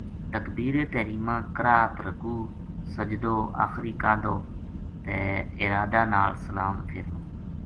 تکبیر تحریمہ، قرات، رکوع، سجدو، آخری قعدو تے ارادہ نال سلام فیرنو